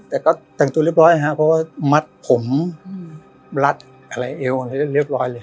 แต่ก็แต่งตัวเรียบร้อยครับเพราะว่ามัดผมรัดอะไรเอวอะไรได้เรียบร้อยเลย